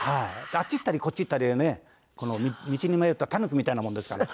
あっち行ったりこっち行ったりでね道に迷ったタヌキみたいなもんですから。